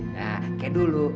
nah kaya dulu